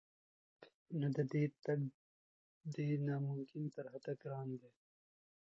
نو د دې تګ دی نا ممکن تر حده ګران دی